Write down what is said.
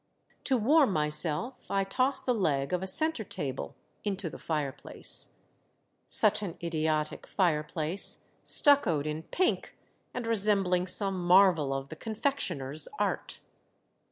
To warm myself, I toss the leg of a centre table into the fireplace. Such an idiotic fireplace, stuccoed in pink, and resembling some marvel of the confectioner's art